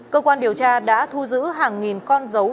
cơ quan điều tra đã thu giữ hàng nghìn con dấu